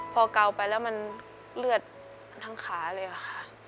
พอเกาไปแล้วมันเลือดทั้งขาเลยค่ะ